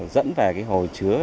dẫn về hồi chứa